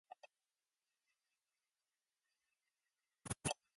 This revelation was not made public until December.